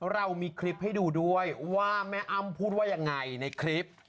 เรามีคลิปให้ดูด้วยว่าแม่อ้ำพูดว่ายังไงในคลิป